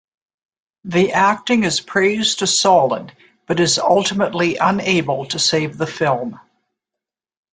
The acting is praised as solid, but is ultimately unable to save the film.